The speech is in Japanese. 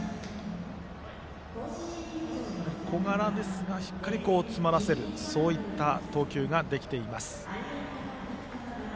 小柄ですがしっかり詰まらせるそういった投球ができています。